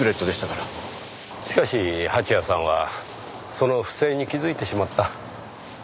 しかし蜂矢さんはその不正に気づいてしまった。